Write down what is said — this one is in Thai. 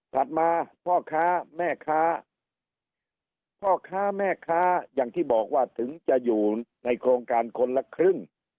มาพ่อค้าแม่ค้าพ่อค้าแม่ค้าอย่างที่บอกว่าถึงจะอยู่ในโครงการคนละครึ่ง